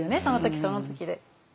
その時その時で。